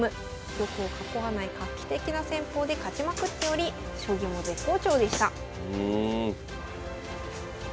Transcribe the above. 玉を囲わない画期的な戦法で勝ちまくっており将棋も絶好調でした。